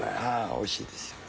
おいしいですよ。